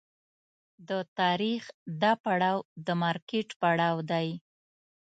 د تاریخ دا پړاو د مارکېټ پړاو دی.